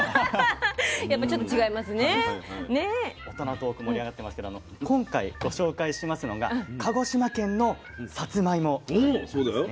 トーク盛り上がってますけど今回ご紹介しますのが鹿児島県のさつまいもなんですね。